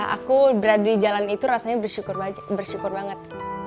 aku berada di jalan itu rasanya bersyukur banget